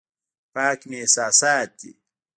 پاک مې احساسات دي.